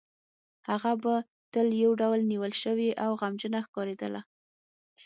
هغه به تل یو ډول نیول شوې او غمجنې ښکارېدله